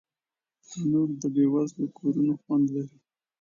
تنور د بې وزلو کورونو خوند لري